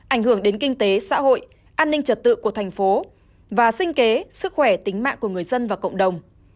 ảnh hưởng đến kinh tế xã hội an ninh trật tự của thành phố và sinh kế sức khỏe tính mạng của người dân và cộng đồng